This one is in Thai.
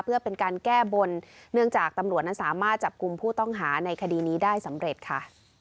เพื่อเป็นการแก้บนเนื่องจากตำรวจนั้นสามารถจับกลุ่มผู้ต้องหาในคดีนี้ได้สำเร็จค่ะ